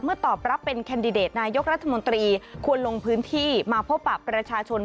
ตอบรับเป็นแคนดิเดตนายกรัฐมนตรีควรลงพื้นที่มาพบปะประชาชน